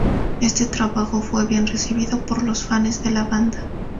Este trabajo fue bien recibido por los fanes de la banda.